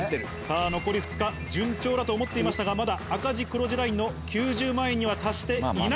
残り２日順調だと思っていましたがまだ赤字黒字ラインの９０万円には達していない。